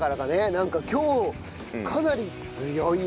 なんか今日かなり強いよ。